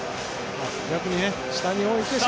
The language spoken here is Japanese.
逆に下に置いて写真を。